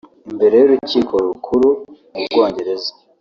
Imbere y’urukiko rukuru mu Bwongereza